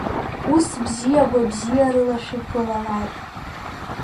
Ус бзиа гәабзиарыла шәаԥылалааит!